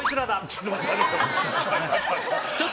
ちょっと待って待って。